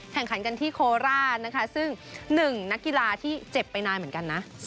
แข่งขันกันที่โคราชนะคะซึ่ง๑นักกีฬาที่เจ็บไปนานเหมือนกันนะ